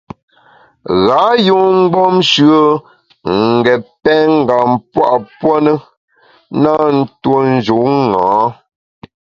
Ghâ yun mgbom shùe n’ ngét pèngam pua puo ne, na ntuo njun ṅa.